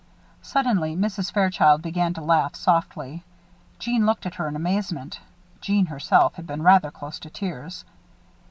Suddenly Mrs. Fairchild began to laugh softly. Jeanne looked at her in amazement. Jeanne herself had been rather close to tears.